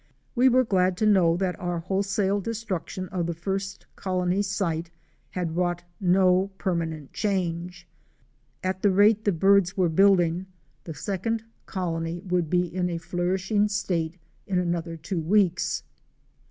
We were glad to know that our wholesale destruction of the first colony site had wrought no permanent change. At the rate the birds were building, the A GOLD MINE IN THE WILDERNESS. 209 second colony would be in a flourishing state in another two weeks.